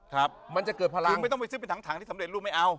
มันจะเกิดพลังคือไม่ต้องไปซื้อเป็นถังถังที่สำเร็จรูปไม่เอา